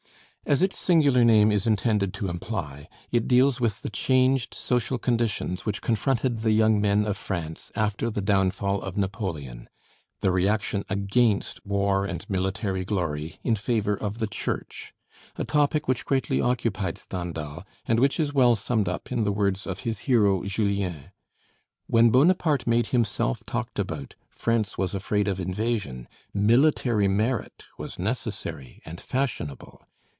As its singular name is intended to imply, it deals with the changed social conditions which confronted the young men of France after the downfall of Napoleon, the reaction against war and military glory in favor of the Church; a topic which greatly occupied Stendhal, and which is well summed up in the words of his hero Julien: "When Bonaparte made himself talked about, France was afraid of invasion; military merit was necessary and fashionable.